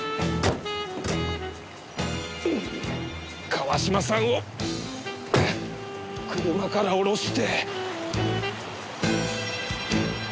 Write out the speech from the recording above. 川島さんを車から降ろして。